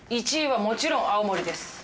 １位はもちろん青森です。